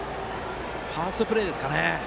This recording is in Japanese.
ファーストプレーですかね。